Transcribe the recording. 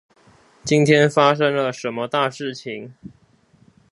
今天發生了什麼大事情